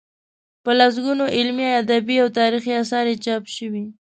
په لسګونو علمي، ادبي او تاریخي اثار یې چاپ شوي.